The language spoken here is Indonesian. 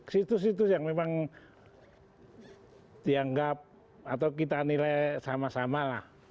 situs situs yang memang dianggap atau kita nilai sama sama lah